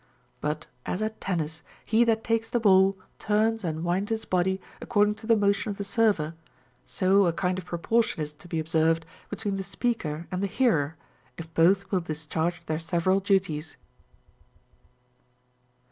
But as at tennis he that takes the ball turns and winds his body according to the motion of the server, so a kind of proportion is to be observed between the speaker and the hearer, if both will discharge their several duties.